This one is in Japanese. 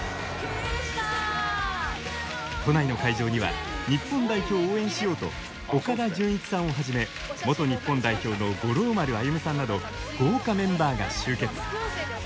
都内の会場には日本代表を応援しようと岡田准一さんをはじめ元日本代表の五郎丸歩さんなど豪華メンバーが集結。